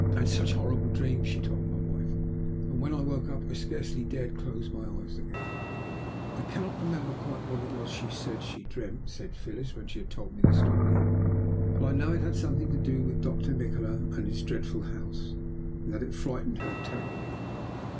"I had such horrible dreams," she told my wife, "that when I woke up I scarcely dared close my eyes again." "I cannot remember quite what she said she dreamt," said Phyllis when she told me the story; "but I know that it had something to do with Doctor Nikola and his dreadful house, and that it frightened her terribly."